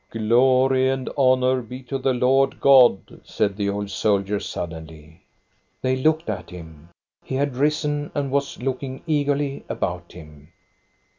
" Glory and honor be to the Lord God !" said the old soldier, suddenly. They looked at him. He had risen and was look ing eagerly about him.